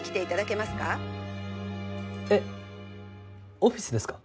オフィスですか？